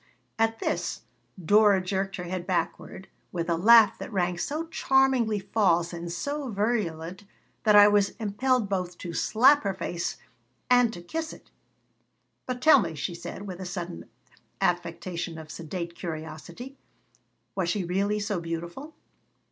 At this Dora jerked her head backward, with a laugh that rang so charmingly false and so virulent that I was impelled both to slap her face and to kiss it "But tell me," she said, with a sudden affectation of sedate curiosity, "was she really so beautiful?"